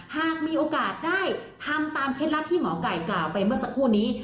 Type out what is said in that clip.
หากมีโอกาสได้ทำตามเคล็ดลับที่หมอไก่กล่าวไปเมื่อสักครู่นี้